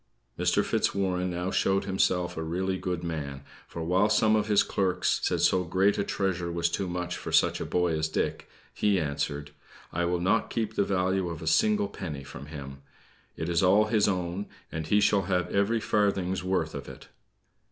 Mr. Fitzwarren now showed himself a really good man, for while some of his clerks said so great a treasure was too much for such a boy as Dick, he answered: "I will not keep the value of a single penny from him! It is all his own, and he shall have every farthing's worth of it."